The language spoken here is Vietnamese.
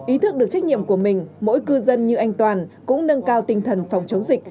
ý thức được trách nhiệm của mình mỗi cư dân như anh toàn cũng nâng cao tinh thần phòng chống dịch